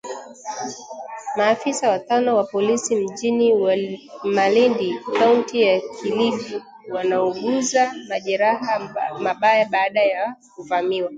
Maafisa watano wa polisi mjini Malindi kaunti ya Kilifi wanauguza majeraha mabaya baada ya kuvamiwa